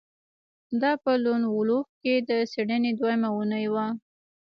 دا په لون وولف کې د څیړنې دویمه اونۍ وه